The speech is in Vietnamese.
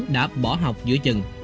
đã bỏ học giữa chừng